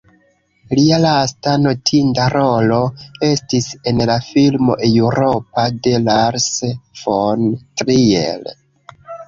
Lia lasta notinda rolo estis en la filmo "Eŭropa" de Lars von Trier.